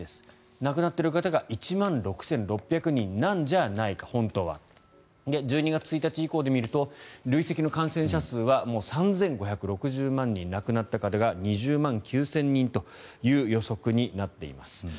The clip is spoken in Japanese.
亡くなっている方が本当は１万６６００人なんじゃないか１２月１日以降で見ると累積の感染者数は３５６０万人亡くなった方が２０万９０００人という予測になっています。